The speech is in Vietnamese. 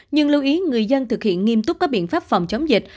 nhưng lưu ý người dân thực hiện nghiêm túc các biện pháp phòng chống dịch